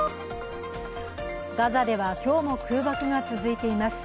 ガザでは今日も空爆が続いています。